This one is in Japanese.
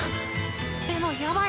でもやばい！